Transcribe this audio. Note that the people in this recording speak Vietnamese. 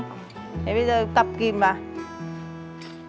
thế bây giờ cập kim vào